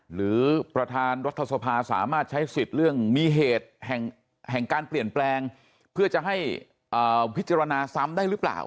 หรือประธานรัฐสภาสามารถใช้สิทธิ์เรื่องมีเหตุแห่งการเปลี่ยนแปลงเพื่อจะให้พิจารณาซ้ำได้หรือเปล่า